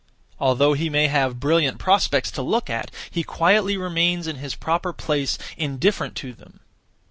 Although he may have brilliant prospects to look at, he quietly remains (in his proper place), indifferent to them.